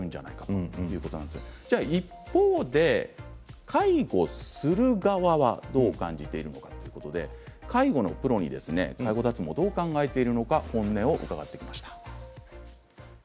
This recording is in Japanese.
一方で介護する側はどう感じているのか介護のプロに介護脱毛をどう考えているのか本音を伺いました。